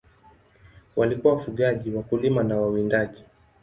Walikuwa wafugaji, wakulima na wawindaji.